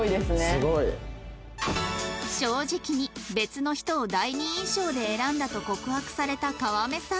すごい！正直に別の人を第二印象で選んだと告白された川目さん